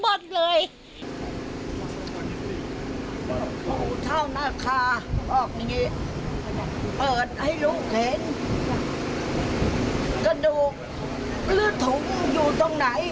กระดูกนี้เปิดให้ลูกเห็นกระดูกหรือถุงอยู่ตรงไหน